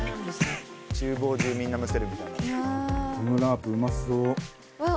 厨房でみんなむせるみたいな。